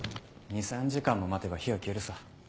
２３時間も待てば火は消えるさ。